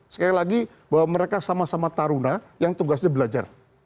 sekali lagi bahwa mereka sama sama taruna yang tugasnya belajar